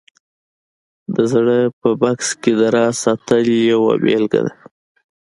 د زړه په بکس کې د راز ساتل یوه بېلګه ده